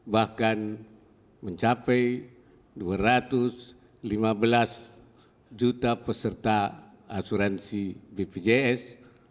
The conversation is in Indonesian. bahkan mencapai dua ratus lima belas juta peserta asuransi bpjs